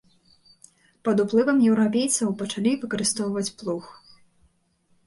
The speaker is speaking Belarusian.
Пад уплывам еўрапейцаў пачалі выкарыстоўваць плуг.